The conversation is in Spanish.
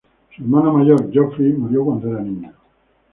Su hermano mayor, Geoffrey murió cuando era niño.